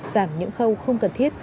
giảm những khâu không cần thiết